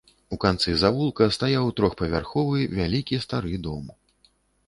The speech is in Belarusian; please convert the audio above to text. У канцы завулка стаяў трохпавярховы вялікі стары дом.